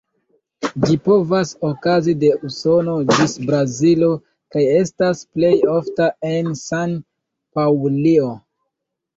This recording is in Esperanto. Ĝi povas okazi de Usono ĝis Brazilo kaj estas plej ofta en San-Paŭlio.